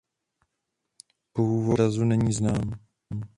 Původ obrazu není znám.